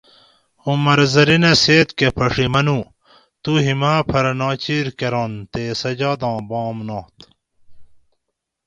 "عمر زرینہ سئیت کہ پھڛی منو ""تُو ہِیماۤ پۤھر ناچیر کۤرنت تے سجاداں بام نات"""